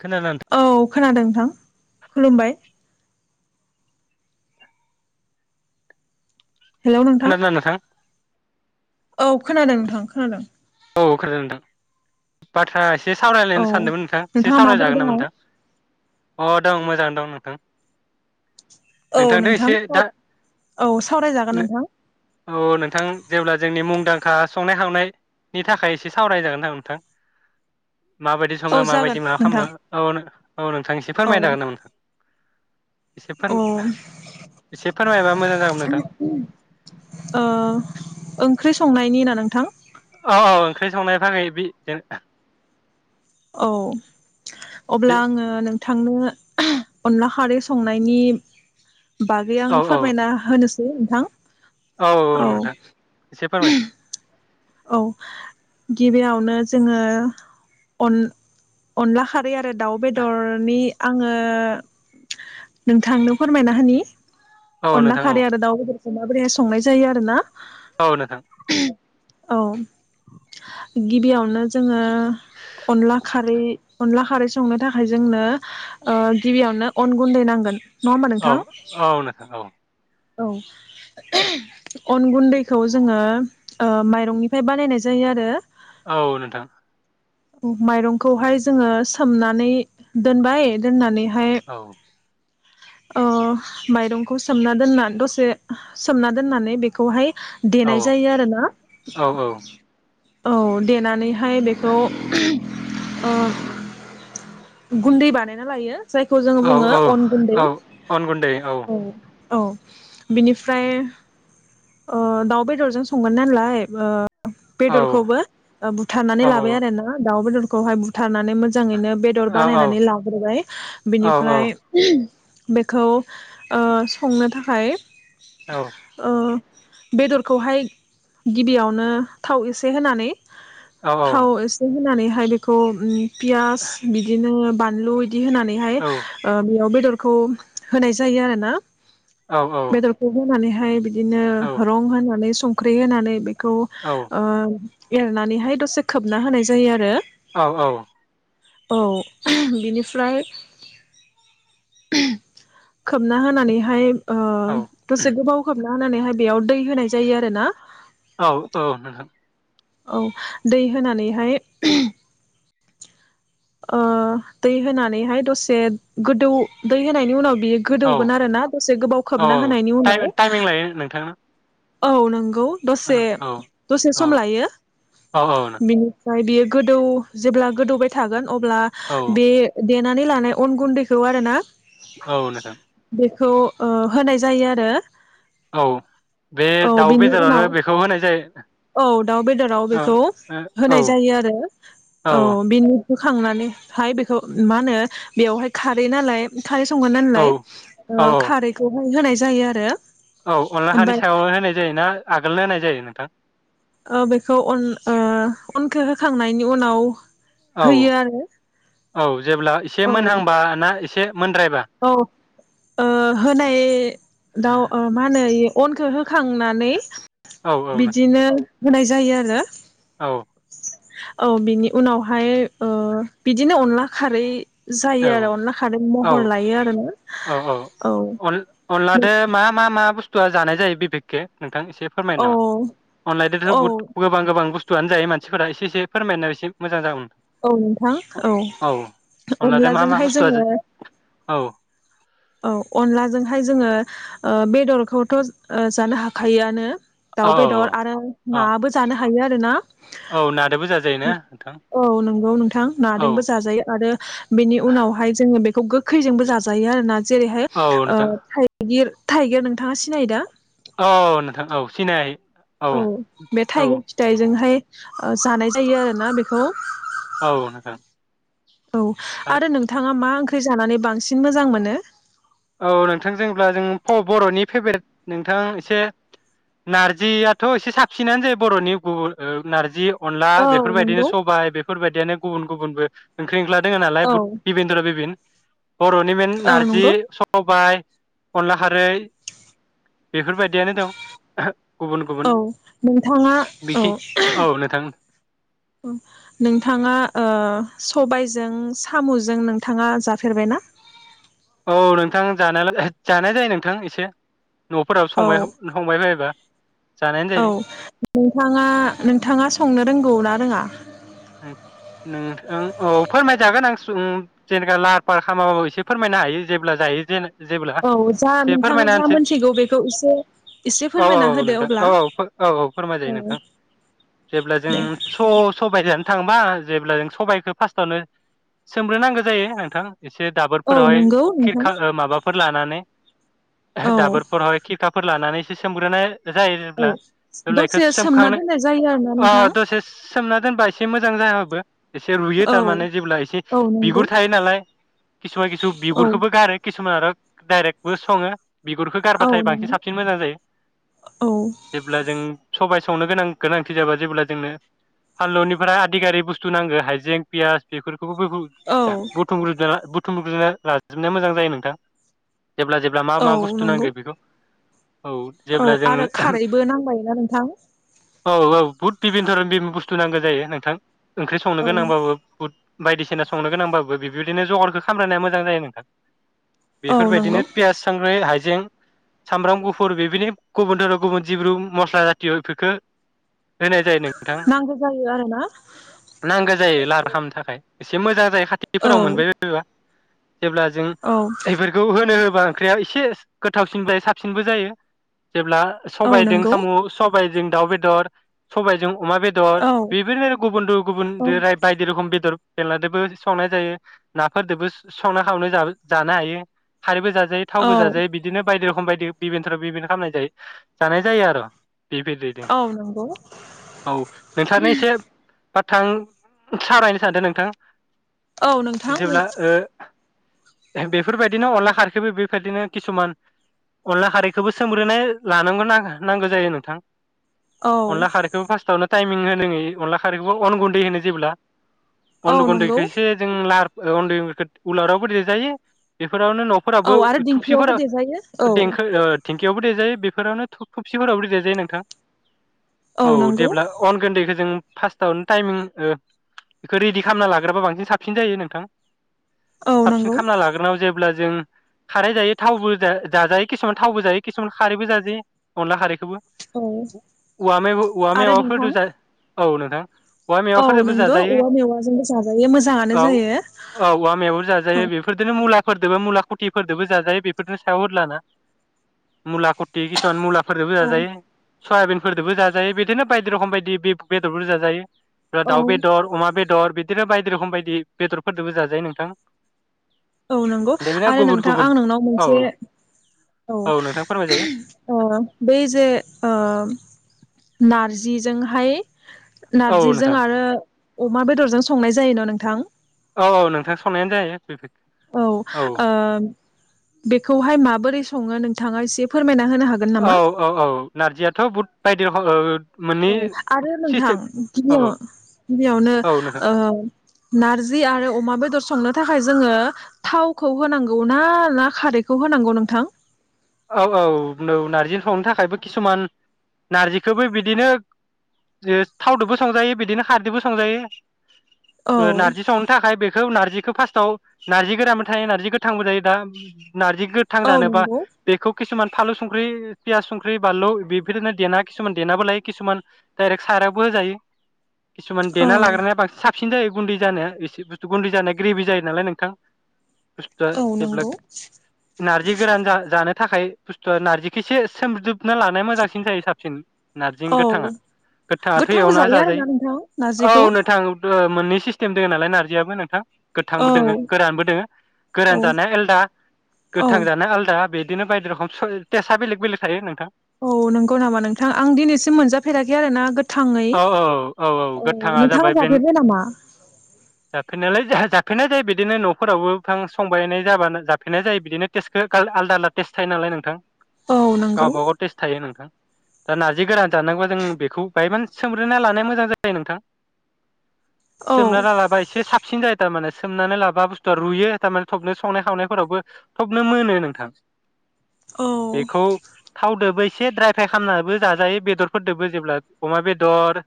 खोनादों नोंथां औ खोनादों नोंथां। खुलुमबाय खोनादोना नोंथां? औ खोनादों नोंथां खोनादों। औ खोनादों नोंथां। बाथ्रा ए से औ सावरायलायनो सानदोंमोन नोंथां एसे नोंथाङा माबोरै सावरायजागोन दङ नामा नोंथां? अ दं मोजां दं नोंथां। औ नोंथांदो नोंथां एसे दा औ सावरायजागोन नोंथां। औ नोंथां जेब्ला जोंनि मुंदांखा संनाय खावनाय नि थाखाय एसे सावरायनाय जागो ना नोंथां! माबायदि औ सङो जागोन माबायदि माबा नोंथां खालामो। औ नो औ नोंथां एसे फोरमायनो हागोन नामा? एसे फोर अ [unintelligible] ओ एसे फोरमायबा मोजां जागौमोन नोंथां ओं ख्रि संनायनि ना नोंथां? औ ओंख्रि संनाय बागै बिनो औ अब्ला आङो नों थांनो [unintelligible] अनला खारै संनायनि बागै आं औ फोरमायना होनो सै नोंथां औ औ नोंथां एसे फोरमाय औ गिबियावनो जोङो अन अनला खारै आरो दाउ बेदरनि आङो नोंथांनो फोरमायना होनि औ अनला नोंथां औ खारि आरो दाव [inaudible] माबोरैहाय संनाय जायो आरो ना औ नोंथां औ गिबियावनो जोङो अनला खारै अनला खारै संनो थाखाय जोंनो ओ गिबियावनो अन गुन्दै नांगोन। नङा होमबा औ नोंथां! औ नोंथां औ औ [unintelligible] अन गुन्दैखौ जोङो ओ माइरंनिफ्राय बानायनाय जायो आरो। औ नोंथां माइरंखौहाय जोङो सोमनानै दोनबाय दोननानैहाय औ ओ माइरंखौ सोमना दोनना दसे सोमना दोननानै बेखौहाय देनाय औ जायो आरोना। औ औ देनानै हा य बेखौ अ गुन्दै बानायना लायो। जायखौ जोङो औ बुङो औ अन गुन्दै औ अन गुन्दै औ। औ बिनिफ्राय दाउ बेदरजों संगोन नालाय औ बेदरखौबो औ बुथारनानै लाबाय आरो ना दाउ बेदर। हाय बुथारनानै मोन। मोजाङैनो बेदर औ औ बानायनानै लाग्रोबाय औ औ बिनिफ्राय। बेखौ संनो थाखाय। औ अ। बेदरखौहाय गिबियावनो थाव एसे होनानै। औ थाव एसे होनानै। ओफ्राय बेखौ। पियास बिदिनो। बानलु। दि होनानै हाय ओ बेयाव बेद दरखौ होनाय जायो आरोना। औ औ। नानैहाय बिदिनो। रंग होनानै। संख्रि होनानै बे। खौ ओ। एरनानैहाय दसे खोबना होनाय जायो आरो। औ औ। औ बिनिफ्राय। खोबना होनानैहाय ओ दसे गोबाव खोबना। नाहोनानै हाय। बेयाव दै होनाय जायो आरो ना। औ औ नोंथां। औ दै होनानैहाय। ओ दै होनानैहाय दसे गोदौ दै होनायनि उनाव। बियो औ गोदौगोन आरोना दसे गोबाव औ खोबना होनायनि टाइम उनाव। टाइमिं लायो नोंथां औ नोंग। गौ औ दसे औ दसे औ सम लायो औ बिनि। ओमफाय बेयो गोदौ जेब्ला गोदौबाय था। थागोन। अब्ला बे। देनानै लानाय अन गुन्दैखौ आरो ना? औ नोंथां। खौ ओ होनाय जायो आरो औ बे औ दाउ बिनि बेदरावनो उनाव बेखौ होनाय जायो औ दाउ बेदराव औ बेखौ औ औ होनाय जायो आरो औ बेनि होखांनानै हाय बेखौ मा होनो बेवहाय खारै नालाय खारै संगोन्नालाय औ औ खारैखौ होनाय जायो आरो। औ अनला हानि ओमफाय सायावनो होनाय जायोना आगोलनो होनाय जा यो नोंथां? ओ बेखौ अन ओ अनखौ होखांनायनि उनाव औ होयो आरो औ जेब्ला एसे औ मोनहांबा ना एसे मोनद्रायबा? ओ होनाय दाउ ओ मा होनो इ अनखौ होखांनानै औ औ नोंथां बिदिनो होनाय जायो आरो। औ औ बिनि उनावहाय ओ बिदिनो अनला खारै औ जायो आरो अनला खारै मह् औ औ औ अन-अनलादो मा मा मा बुस्थुआ जानाय जायो बिबेके नों थां एसे फोरमायनो औ नामा अनलाइनजोंथ' औ बहुद गोबां गोबां बुस्थ थुयानो जायो मानफोरा एसे एसे फोरमायनाय एसे मोजां जागौमोन। औ नोंथां औ। अनलादो मा मा अनलाजोंहाय बुस्थुआ जा जोङो औ। औ अनलाजोंहाय जोङो ओ बेदरखौथ' ओ जानो हाखायोआनो दाउ औ बेदर आरो औ नाबो जानो हायो आरोना। औ नादोबो जाजायो ना नोंथां औ नोंगौ नोंथां औ नाजोंबो जाजायो आरो बेनि उनावहाय जोङो बे गोखैजोंबो जाजायो आरो ना। जेरैहाय औ नोंथां ओ थाइगिर थाइगिर नोंथाङा सिनायो दा? औ नोंथां औ सिनाय औ बे औ थाइगिर फिथाइजोंहाय ओ जानाय जायो आरोना बेखौ। औ नोंथां। औ आरो नोंथाङा मा ओं जानानै बांसिन मोजां मोनो? औ नोंथां जोंब्ला जों बर'नि फेभरेट नोंथां एसे नारजियाथ' एसे साबसिनानो जायो बर'नि गुबु ओ नारजि अनला औ नंगौ बेफोरबायदिनो सबाय बेफोरबायदियानो गुबुन गुबुनबो ओंख्रि ओंख्ला दोङो नालाय औ बिबिनद्रा बिबिन बर'नि मेन औ नारजि नंगौ स बाय अनला खारै बेफोरबायदियानो दं। गुबुन गुबुन औ नोंथाङा औ। बिखि औ नोंथां नोंथाङा ओ सबायजों साम'जों नोंथाङा जाफेरबाय ना? औ नोंथां जानायला जानाय जायो नोंथां एसे। न'फोराबो औ सबाय संबाय बायोबा। जानायानो औ जायो नोंथाङा नोंथाङा संनो रोंगौ ना रोङा? नोंथां औ फोरमायजागोन आं जेनबा लाह फाहार खालामाबाबो एसे फोरमायनो हायो जेब्ला जायो जेन जेब्ला औ जा से नोंथाङा फोरमायना जा होनसै मोनथिगौ बेखौ एसे एसे औ औ फोरमायना औ होदो नोंथां अब्ला औ औ औ औ फोरमायजायो नोंथां जेब्ला जों दे स-सबाय थांबा जेब्ला जों सबाइखौ फार्स्टआवनो सोमग्रोनांगौ जायो नोंथां। एसे औ दाबोरफोरावहाय नंगौ नोंथां खिरखा ओ माबा फोर लानानै औ दाबोरफोराव हाय खिरखा फोर लानानैसो सोमग्रोनाय जायो औ जेब्ला जेब्ला बेखौ दसे सोमना सोमखांनो दोननाय जायो आरोना अ नोंथां। दसे सोमना दोनबाय एसे मोजां जाहाबो। एसे रुयो औ थारमाने जेब्ला एसे औ नंगौ बिगुर थायो नालाय किसुमान खिसु औ बिगुरखौबो गारो किसुमान आरो डाइरेक्टबो सङो। बिगुरखौ औ गारबाथाय बांसिन नंगौ साबसिन मोजां जायो। औ जेब्ला जों सबाय संनो गोनां- गोनांथि जाबा जेब्ला जोंनो हालुनि फ्रा आदि गारि बुस्थु नांगो हाइजें पियास बेफोर औ [unintelligible] बुथुम गोरदो [inaudible] लाजोबनाया मोजां जायो नोंथां -जेब्ला जेब्ला मा औ मा बुस्थु नंगौ नांगौ बेखौ- औ औ जेब्ला जों आरो खारैबो नांबायना नोंथां औ औ बुहुत बिभिनधरन बुस्थु नांगौ जायो नोंथां। ओंख्रि संनो औ गोनांबाबो बहुत बायदिसिना संनो गोनांबाबो बिफोरदिनो जगारखो खालामगो्नाया मोजां जायो नोंथां औ बेफोरबायदिनो नंगौ पियास सांखि् हाइजें हायजें सामब्राम गुफुर बेबादि गुबुनधोरोम गुबुन जिब्रु मस्ला जाथि बेफोरखो नांगौ जायो आरो ना नांगौ जायो लाहार खालामनो थाखाय। एसे मोजां जायो औ खाथिफोराव मोनबाय बायबा जेब्ला जों औ एफोरखौ होनो होब ओंख्रिया एसे गोथावसिन लाय साबसिनबो जायो जेब्ला औ सबायदों नंगौ साम' सब सबायजों दाउ बेदर सबायजों अमा बेदर औ बि औ [inaudible] बेदर बेनलाजोंबो संनाय जायो नाफोरजोंबो संना खावनो जानो हायो खारैबो जाजायो थावबो औ जाजायो बिदिनो बायदि रोखोम रखम बायदि बिबििनथ' बिभिन खालामनाय जायो जानाय जायो आरो बे बेदेदों औ नंगौ औ नोंथांनो एसे बा थां सालायनो सानदों नोंथां औ नोंथां। जेब्ला बेफोरबायदिनो अनला खारैखोबो बेफोरबायदिनो किसुमान अनला खारैखौबो सोमग्रोनाय लानांगौ नांगौ जायो नोंथां। औ अनला खारैखौबो फास्स्टावनो टाइमिं होनांयि अनला खारिखौबो अन गुन्दै होनो जेब्ला अन्द' औ नंगौ गन्दैखौ एसे जों लार उन्दै उलारावबो दिर जायो फोरावनो न'फोराबो औ आरो दिंखियावबो थुबसिफोरा देजायो औ देंखोें गेयावबो देरेजायो बेफोरावनो थ थुबसिफोरावबो देजायो नोंथां। औ जेब्ला अन गन्दैखौ जों फास्स्टावनो टाइमिं बेखौ रेडि खालामना लाग्राबा बांसिन साबसिन जायो नोंथां। औ साबसिन नंगौ खालामामना लाग्रोनायाव जेबो अब्ला जों खारै जायो थावबो जाजायो किसुमान थावबो जायो किसुमान खारैबो जाजायो अनला खारैखौबो औ उआ मेवाय उआ आरो नोंथां मेवायफोरजों जा औ नोंथां। औवा औ मेवाफोरजोंबो नोंगौ जाजायो औवा मेवाजोंबो जाजायो मोजाङानो औ जायो। फोरदोबो मुला खुथिफोरदोबो जाजायो बेफोरनो सायाव हलाना मुला खुथि किसुमान मुला फोरजोंबो औ जाजायो। सयाबनफोरदबो जाजायो बिदिनो बायदि रखम बायदि बे। बेदर बुरजा जायो। औ दाउ बे दर अमा बे बेदर बिदिनो बायदि रोखोम बायदि बेदरफोरजोंबो जाजायो नोंथां। औ नंगौ दे बेनो आरो गुबुन नोंथां गुबुन आं नोंनाव औ मोनसे औ नोंथां फोरमायजायो औ बै जे नारजि जिजोंहाय औ नारजिजों नोंथां आरो अमा बेदरजों संनाय जायो न' नोंथां। औ औ नोंथां संनायानो जायो बे। औ ओ। बेखौहाय माबोरै सङो नोंथाङा एसे फोरमायना होनो हागोन औ नामा? औ औ नारजियाथ' बु बाइदि। औ आरो नोंथां औ गिबियाव औ गिबियावनो औ नोंथां नारजि आरो अमा बेदर संनो थाखाय थाखाय जोङो थावखौ होनांगौ ना ना खारैखौ होनांगौ नोंथां। औ औ नौ नारजि संनो थाखायबो किसुमान नार्जिखौबो बिदिनो थावजोंबो संजायो बिदिनो खारदोबो संजायो। औ नारजि संनो थाखाय बेखौ नारजि बे फार्स्टआव नारजिोरानानो थायो नारजि गोथांबो जायो दा। नारजि औ गोथांजानोबा नंगौ किसुमान फालु संख्रि पियास संख्रि बानलु बेफोरनो देना किसुमान देेनाबो लायो किसुमान डाइरेक्ट सारायावबो होजायो। किसुमान औ देना लाग्रोनाया बांसिन साख साबसिन जायो गुन्दै जानो एसे बुस्थु गुन्दै जानाया ग्रेभि जायो नालाय नोंथां। औ नंगौ नारजि गोरान जानो थाखाय बुस्थुआ नारजिखौिसे सोमजोबना लानाया मोजांसिन जायो साबसिन नारजिं औ गोथाङा गोथाङाथ' गोथांबो एवना जायो जाजायो आरोना नोंथां औ नारजिखौ नोंथां। ओ मोननै सिसथिम दों नालाय नारजियाबो नोंथां गोथांबो औ दोंङ गोरानबो दोंङ औ गोरान जानाया आलदा औ गोथां जानाया आलदा बेदि बिदिनो बायदि रोखोम स थेसा बेलेग बेलेग थायो नोंथां औ नंगौ नामा नोंथां आं दिनैसिम मोनजाफेराखै आरोना गोथांङै औ औ औ गोथाङा जाबाय नोंथांङा बे जाफेरबाय नामा? जाफेरनायालाय जाफेरनाय जायो बिदिनो न'फोरावबो बिफां संबायनाय जाबा जाफेरनाय जायो बिदिनो टेस्टखौ आलदा आलदा टेस थायो नालाय नोंथां औ नंगौ गावबागाव टेस्ट थायो नोंथां दा नार्जि गोरान जानांगौबा जों बेखौ बाहाय मान सोमग्रोना लानाया मोजां जायो नोंथां औ सोमना रालाबा एसे साबसिन जायो थारमाने सोमनानै लाबा बुस्थुआ रुयो थारमाने थबनो संनाय खावनायफोरावबो थबनो मोनो नोंथां औ बेखौ थावदोबो एसे ड्राय फ्राय खालामनानैबो जाजायो बेदरफोरजोंबो जेब्ला अमा बेदर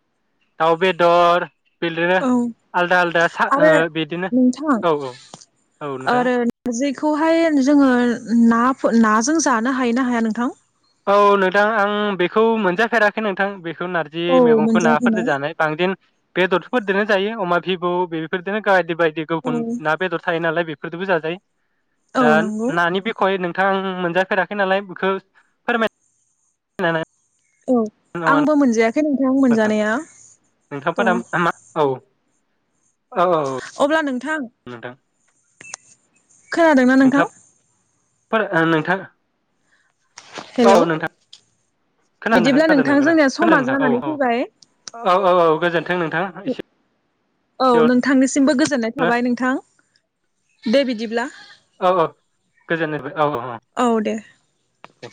दाउ बेदर बिदिनो औ आलदा आलदा सा आरो ओ बिदिनो नोंथां औ औ नोंथां आरो नारजिखौहाय जोंङो ना फोर नाजों जानो हायो ना हाया नोंथां? औ नोंथां आं बेखौ मोनजाफेराखै नोंथां बेखौ बेखौ नारजि औ मैगंखौ मोनजायाखैना नाफोरजों जानाय बांसिन बेदरथ'फोरजोंनो जायो अमा भिबु बेफोरजोंनो गायदिबाय औ गुन ना बेदर थायो नालाय बे [unintelligible] फोर' जोंबो जाजायो औ दा नंगौ नानि बिखय नों- [inaudible] आं मोनजाफेराखै नालाय बेखौ फोरमाय नानै औ आंबो मोनजाया- जों नोंथां मोनजानाया औ नोंथांफोरा मा औ औ औ अब्ला नोंथां नोंथां [unintelligible] खोनादोंना नोंथां? फोर ओ नोंथां औ हेलौ नोंथां खोनादों बिदिब्ला खोनादों नोंथां जोंनिया खोनादों समा नोंथां औ जानानै औ फैबाय औ औ औ गोजोन- औ नोंथांनिसिमबो गोजोननाय थाबाय नोंथां दे बिदिब्ला औ औ गोजोननाय थाबाय। औ अ ओम